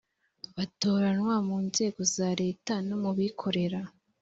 batoranywa mu nzego za leta no mu bikorera